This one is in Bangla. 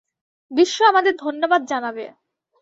বিশ্ব আমাদের ধন্যবাদ জানাবে।